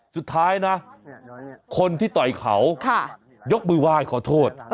สุดท้ายนะคนที่ต่อยเขายกมือไหว้ขอโทษ